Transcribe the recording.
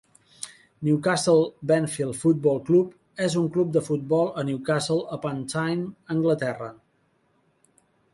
Newcastle Benfield Football Club és un club de futbol a Newcastle upon Tyne, Anglaterra.